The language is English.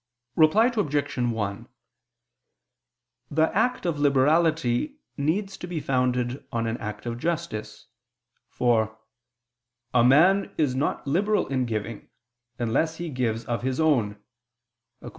Reply Obj. 1: The act of liberality needs to be founded on an act of justice, for "a man is not liberal in giving, unless he gives of his own" (Polit.